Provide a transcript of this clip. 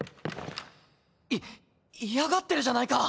い嫌がってるじゃないか。